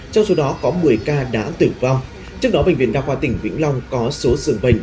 trong số đó có một mươi ca đã tử vong trước đó bệnh viện đa khoa tỉnh vĩnh long có số dường bệnh